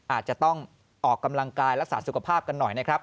อาจจะต้องออกกำลังกายรักษาสุขภาพกันหน่อยนะครับ